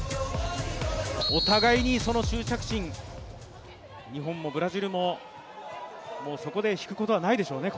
お互いにその執着心、日本もブラジルもそこで引くことはないでしょうね